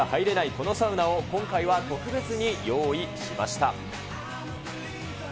このサウナを、今回は特別に用意しました。